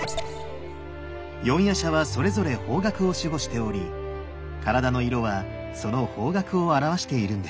四夜叉はそれぞれ方角を守護しており体の色はその方角を表しているんです。